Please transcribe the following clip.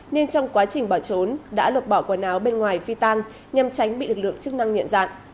nên trong quá trình bỏ trốn đã lục bỏ quần áo bên ngoài phi tăng nhằm tránh bị lực lượng chức năng nhện dạn